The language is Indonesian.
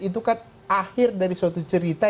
itu kan akhir dari suatu cerita